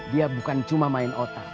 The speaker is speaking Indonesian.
dia bukan cuma main otak